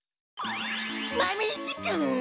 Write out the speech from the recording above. マメ１くん！